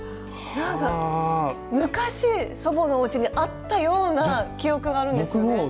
なんか昔祖母のおうちにあったような記憶があるんですよね。